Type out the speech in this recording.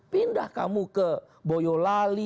pindah kamu ke boyolali